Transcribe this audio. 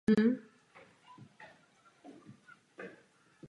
Podnebí je kontinentální s malým úhrnem srážek v průběhu roku.